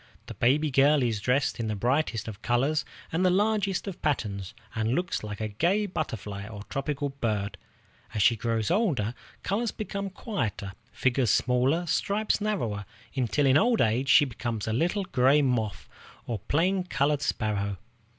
The baby girl is dressed in the brightest of colors and the largest of patterns, and looks like a gay butterfly or tropical bird. As she grows older, colors become quieter, figures smaller, stripes narrower, until in old age she becomes a little gray moth or plain colored sparrow.